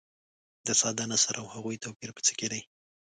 د ساده نثر او هغوي توپیر په څه کې دي.